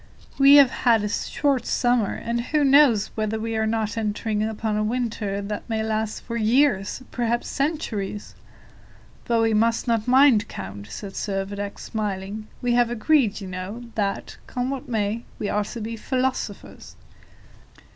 We have had a short summer, and who knows whether we are not entering upon a winter that may last for years, perhaps for centuries?" "But we must not mind, count," said Servadac, smiling. "We have agreed, you know, that, come what may, we are to be philosophers."